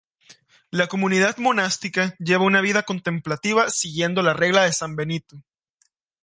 La comunidad monástica lleva una vida contemplativa siguiendo la regla de san Benito.